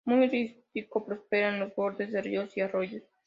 Muy rústico, prospera en los bordes de ríos y arroyos.